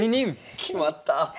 決まった！